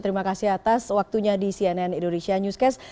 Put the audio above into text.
terima kasih atas waktunya di cnn indonesia newscast